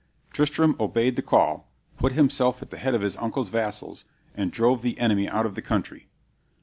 Tristram obeyed the call, put himself at the head of his uncle's vassals, and drove the enemy out of the country.